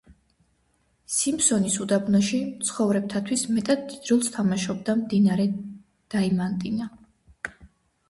სიმფსონის უდაბნოში მცხოვრებთათვის მეტად დიდ როლს თამაშობს მდინარე დაიმანტინა.